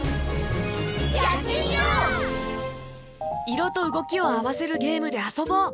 いろとうごきをあわせるゲームであそぼう！